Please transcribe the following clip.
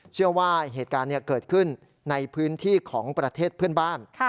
เชื่อว่าเหตุการณ์เกิดขึ้นในพื้นที่ของประเทศเพื่อนบ้าน